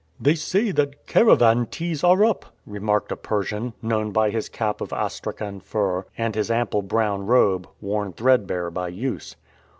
"They say that caravan teas are up," remarked a Persian, known by his cap of Astrakhan fur, and his ample brown robe, worn threadbare by use.